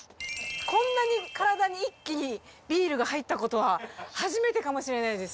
こんなに体に一気にビールが入ったことは初めてかもしれないです